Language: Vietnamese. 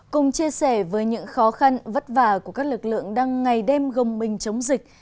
cùng chia sẻ với những khó khăn vất vả của các lực lượng đang ngày đêm gồng mình chống dịch